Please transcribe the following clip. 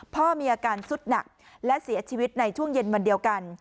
พ่อมีอาการสุดหนักและเสียชีวิตในช่วงเย็นวันเดียวกัน